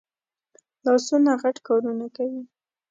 لاسونه غټ کارونه کوي